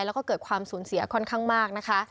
แล้วก็เกิดความสูญเสียค่อนข้างมากนะคะ